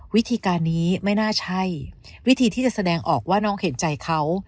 วิธีการนี้ไม่น่าใช่วิธีที่จะแสดงออกว่าน้องเห็นใจเขา